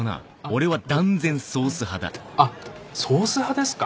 あっソース派ですか。